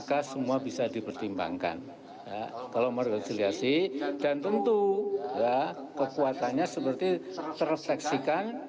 kita harus bertimbangkan kalau merokok resiliasi dan tentu kekuatannya seperti terrefleksikan